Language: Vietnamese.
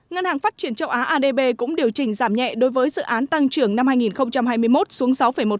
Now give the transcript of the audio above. ngân hàng phát triển châu á adb cũng điều chỉnh giảm nhẹ đối với dự án tăng trưởng năm hai nghìn hai mươi một xuống sáu một